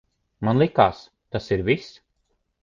Man likās, tas ir viss.